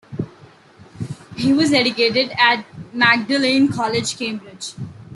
He was educated at Magdalene College, Cambridge.